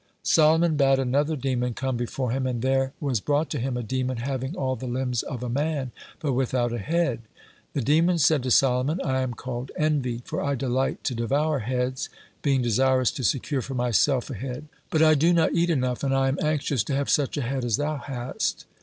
Solomon bade another demon come before him. And there was brought to him a demon having all the limbs of a man, but without a head. The demon said to Solomon: "I am called Envy, for I delight to devour heads, being desirous to secure for myself a head; but I do not eat enough, and I am anxious to have such a head as thou hast."